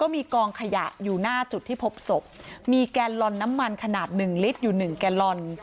มีกองขยะอยู่หน้าจุดที่พบศพมีแกนลอนน้ำมันขนาดหนึ่งลิตรอยู่หนึ่งแกลลอน